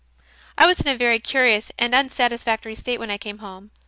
I was in a very curious and unsatisfactory state when I came home.